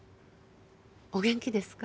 お元気ですか？